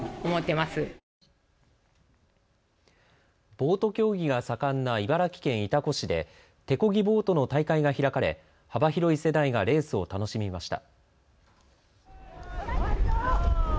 ボート競技が盛んな茨城県潮来市で手こぎボートの大会が開かれ幅広い世代がレースを楽しみました。